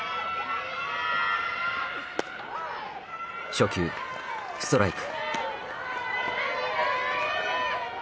初球ストライク。